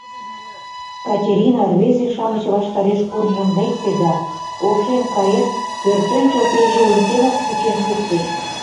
Катерина рвезе-шамыч ваштареш куржын лекте да, ошем каен, пӧртӧнчыл перилым тевак кучен шуктыш.